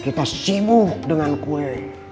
kita sibuk dengan kue